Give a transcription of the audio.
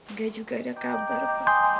nggak juga ada kabar pak